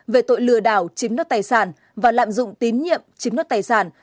về tội lừa đảo chiếm đất tài sản và lạm dụng tín nhiệm chiếm đất tài sản